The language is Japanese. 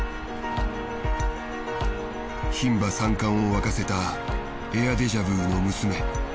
牝馬三冠を沸かせたエアデジャヴーの娘